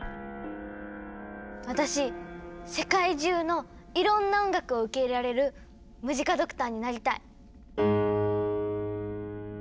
私世界中のいろんな音楽を受け入れられるムジカドクターになりたい。